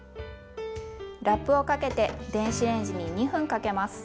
ラップをかけて電子レンジに２分かけます。